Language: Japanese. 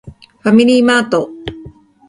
ファミリーマート